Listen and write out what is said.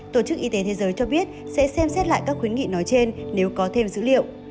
tổ chức y tế thế giới cho biết sẽ xem xét lại các khuyến nghị nói trên nếu có thêm dữ liệu